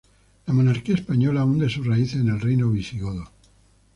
La monarquía Española hunde sus raíces en el Reino Visigodo.